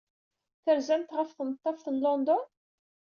Terzamt ɣef Tneḍḍaft n London?